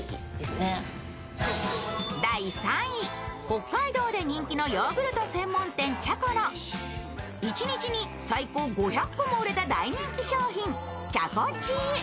北海道で人気のヨーグルト専門店、チャコの一日に最高５００個も売れた大人気商品、ＣＨＡＣＯＣＨＥＥ。